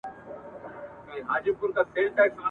چي له لیري مي ږغ نه وي اورېدلی !.